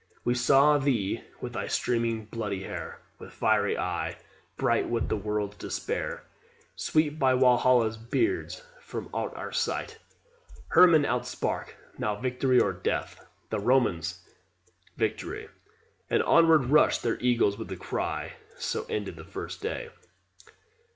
We saw thee with thy streaming bloody hair, With fiery eye, bright with the world's despair, Sweep by Walhalla's bards from out our sight. Herrman outspake "Now Victory or Death!" The Romans,... "Victory!" And onward rushed their eagles with the cry. So ended the FIRST day.